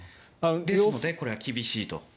ですので、これは厳しいと。